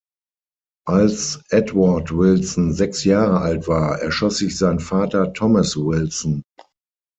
Als Edward Wilson sechs Jahre alt war, erschoss sich sein Vater Thomas Wilson.